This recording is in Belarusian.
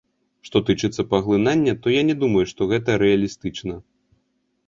Што тычыцца паглынання, то я не думаю, што гэта рэалістычна.